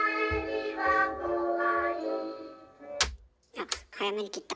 あっ早めに切った。